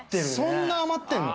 そんな余ってるの！？